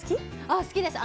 あ好きです。